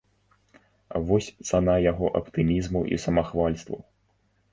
Вось цана яго аптымізму і самахвальству.